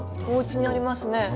おうちにありますね。